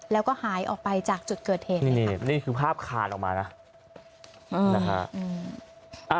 แล้วก็หายออกไปจากจุดเกิดเหตุนี่นี่คือภาพคานออกมานะนะฮะ